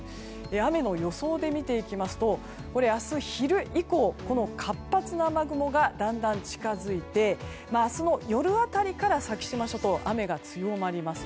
雨の予想で見ていきますと明日、昼以降、活発な雨雲がだんだん、近づいて明日の夜辺りから先島諸島、雨が強まります。